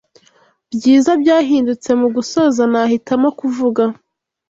Byiza byahindutse Mugusoza nahitamo kuvuga